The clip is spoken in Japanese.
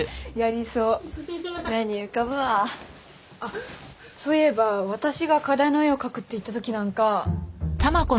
あっそういえば私が課題の絵を描くって言ったときなんか。